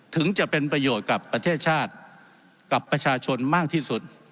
ถึงจะเป็นประโยชน์กับประเทศชาติกับประชาชนมากที่สุด